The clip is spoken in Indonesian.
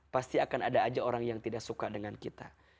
pasti akan ada aja orang yang tidak suka dengan kita